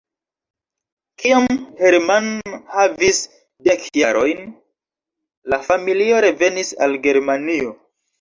Kiam Hermann havis dek jarojn, la familio revenis al Germanio.